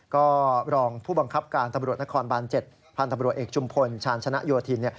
ก็รองผู้บังคับการตำรวจนครบาน๗พตเอกจุมพลชาญชนะยวทิน